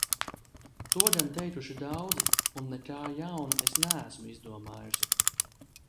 To gan teikuši daudzi un nekā jauna es neesmu izdomājusi.